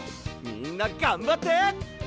みんながんばって！